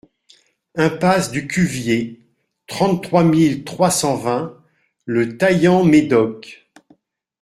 Impasse du Cuvier, trente-trois mille trois cent vingt Le Taillan-Médoc